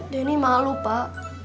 denny malu pak